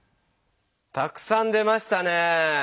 たくさん出ましたね。